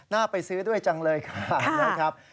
น่าไปซื้อด้วยจังเลยครับ